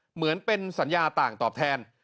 เหมือนเป็นสัญญาต่างตอบแทน